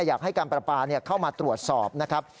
อยากให้การประปาเข้ามาตรวจสอบนะครับ